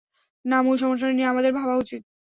না, মূল সমস্যাটা নিয়ে আমাদের ভাবা উচিত!